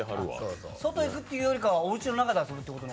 外へ行くというよりはおうちの中で遊ぶという？